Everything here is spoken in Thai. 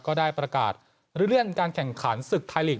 ก็ได้ประกาศเลื่อนการแข่งขันศึกไทยลีก